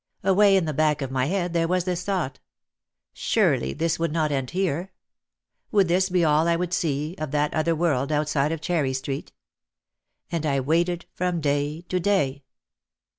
Away in the back of my head there was this thought, "Surely this would not end here. Would this be all I would see of that other world outside of Cherry Street ?" And I waited from day to day.